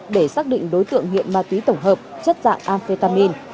để xác định đối tượng nghiện ma túy tổng hợp chất dạng ametamin